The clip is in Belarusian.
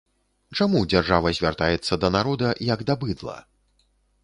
Чаму дзяржава звяртаецца да народа, як да быдла?